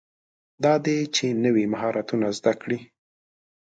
دا دی چې نوي مهارتونه زده کړئ.